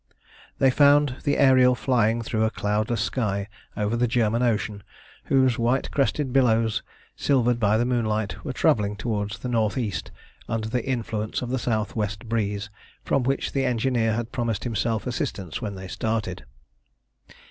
They found the Ariel flying through a cloudless sky over the German Ocean, whose white crested billows, silvered by the moonlight, were travelling towards the north east under the influence of the south west breeze from which the engineer had promised himself assistance when they started.